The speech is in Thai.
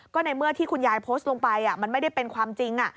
ก็ในเมื่อที่คุณยายโพสต์ลงไปมันไม่ได้เป็นความจริง